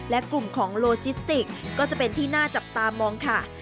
และกลุ่มของโลจิสติกก็จะเป็นที่น่าจับตามองค่ะ